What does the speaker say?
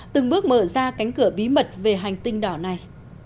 từng bước mở ra cánh cửa bí mật về hành tinh đỏ này